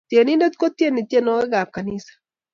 Tienindet kotieni tienwokik ab kanisa.